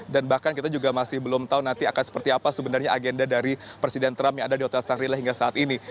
dan bahkan kita juga masih belum tahu nanti akan seperti apa sebenarnya agenda dari presiden trump yang ada di hotel shangri la hingga saat ini